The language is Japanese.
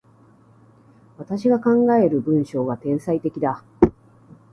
私が考える文章は、天才的だ。